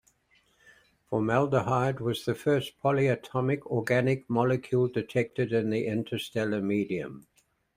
Formaldehyde was the first polyatomic organic molecule detected in the interstellar medium.